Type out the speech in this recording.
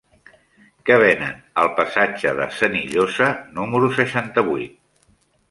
Què venen al passatge de Senillosa número seixanta-vuit?